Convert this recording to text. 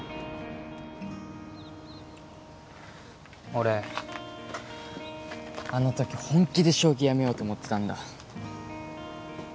俺あのとき本気で将棋やめようと思ってたんだ